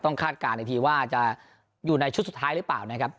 คาดการณ์อีกทีว่าจะอยู่ในชุดสุดท้ายหรือเปล่านะครับ